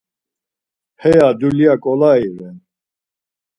Heya dulya ǩolai ren.